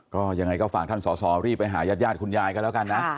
ก็ยังไงก็ฝากท่านสอสอรีบไปหายาดคุณยายกันแล้วกันนะ